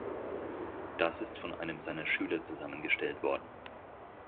Das ist von einem seiner Schüler zusammengestellt worden.